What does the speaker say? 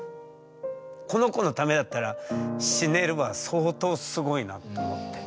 「この子のためだったら死ねる」は相当すごいなと思って。